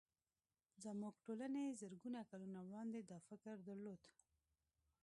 زموږ ټولنې زرګونه کلونه وړاندې دا فکر درلود